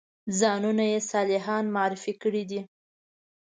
ځانونه یې صالحان معرفي کړي دي.